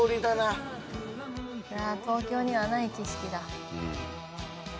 東京にはない景色だ。